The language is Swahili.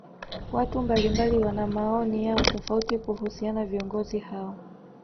watu mbalimbali wana maoni yao tofauti kuhusiana viongozi hao